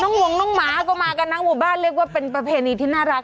วงน้องหมาก็มากันทั้งหมู่บ้านเรียกว่าเป็นประเพณีที่น่ารัก